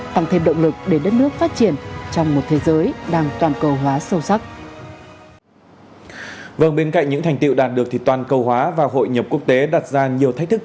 tăng thêm động lực để đất nước phát triển trong một thế giới đang toàn cầu hóa sâu sắc